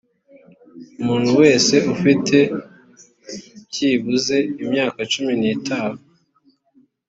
umuntu wese ufite byibuze imyaka cumi n’itanu